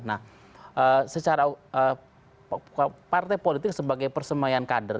nah secara partai politik sebagai persemayan kader